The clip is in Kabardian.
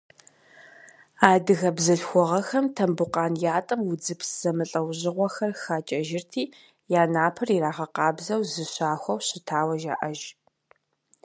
Адыгэ бзылъхугъэхэм Тамбукъан ятӏэм удзыпс зэмылӏэужьыгъуэхэр хакӏэжырти, я напэр ирагъэкъабзэу, зыщахуэу щытауэ жаӏэж.